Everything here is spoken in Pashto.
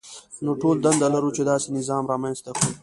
نو ټول دنده لرو چې داسې نظام رامنځته کړو.